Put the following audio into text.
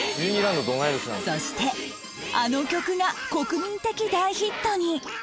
そしてあの曲が国民的大ヒットに